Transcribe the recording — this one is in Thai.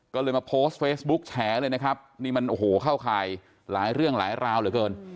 ก็เลยมาโพสต์เฟซบุ๊กแฉเลยนะครับนี่มันโอ้โหเข้าข่ายหลายเรื่องหลายราวเหลือเกิน